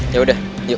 ya udah yuk